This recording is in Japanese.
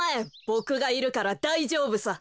ボクがいるからだいじょうぶさ。